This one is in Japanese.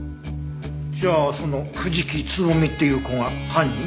じゃあその藤木蕾っていう子が犯人？